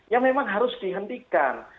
ya memang harus dihentikan